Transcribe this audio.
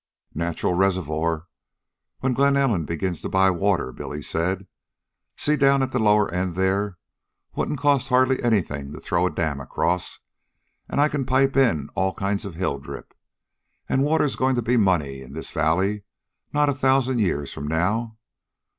"Natural reservoir, when Glen Ellen begins to buy water," Billy said. "See, down at the lower end there? wouldn't cost anything hardly to throw a dam across. An' I can pipe in all kinds of hill drip. An' water's goin' to be money in this valley not a thousan' years from now.